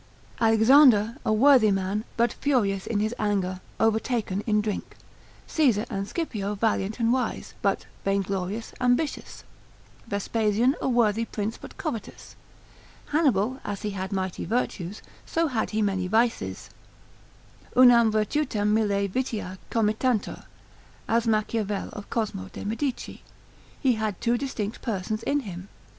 Alexander, a worthy man, but furious in his anger, overtaken in drink: Caesar and Scipio valiant and wise, but vainglorious, ambitious: Vespasian a worthy prince, but covetous: Hannibal, as he had mighty virtues, so had he many vices; unam virtutem mille vitia comitantur, as Machiavel of Cosmo de Medici, he had two distinct persons in him.